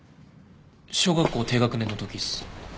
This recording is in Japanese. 小学校低学年の時っす。